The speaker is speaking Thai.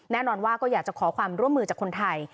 แน่นอนว่าก็อยากจะขอความร่วมมือจากคนไทย